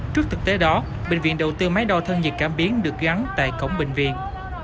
trước thực tế đó bệnh viện đầu tư máy đo thân nhiệt cảm biến được gắn tại cổng bệnh viện